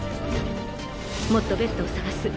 もっとベッドを探す。